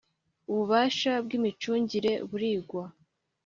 Ububasha bw’ imicungire buringwa.